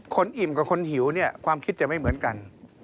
อิ่มกับคนหิวเนี่ยความคิดจะไม่เหมือนกัน